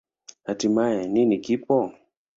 Hatimaye, nini kipo?